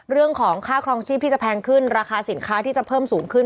เรื่องของค่าครองชีพที่จะแพงขึ้นราคาสินค้าที่จะเพิ่มสูงขึ้น